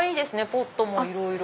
ポットもいろいろ。